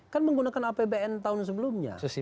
kan menggunakan apbn tahun sebelumnya